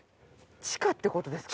地下って事ですか？